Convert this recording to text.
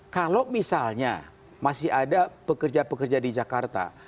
kalau misalnya masih ada pekerja pekerja di jakarta